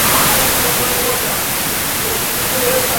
该物种的模式产地在四川峨眉山。